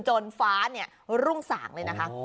ฟ้ารุ่งสางเลยนะคะ